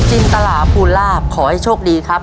ชายคุณล่าขอให้โชคดีครับ